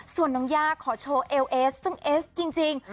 ส่วนน้องย่าขอโชว์เอลเอสซึ่งเอสจริง